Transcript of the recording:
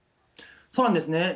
そうなんですね。